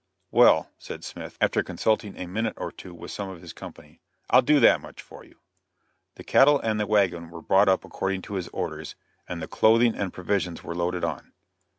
"Well," said Smith, after consulting a minute or two with some of his company, "I'll do that much for you." The cattle and the wagon were brought up according to his orders, and the clothing and provisions were loaded on.